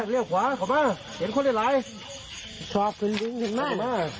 เรียกขวาเข้ามาเห็นคนเยอะไหร่ชอบคุณจริงจริงถึงนั่น